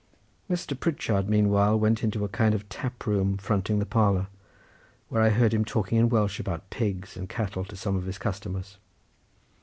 Mr. Pritchard meanwhile went into a kind of taproom, fronting the parlour, where I heard him talking in Welsh about pigs and cattle to some of his customers.